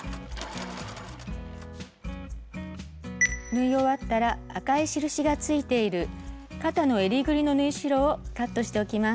縫い終わったら赤い印がついている肩の襟ぐりの縫い代をカットしておきます。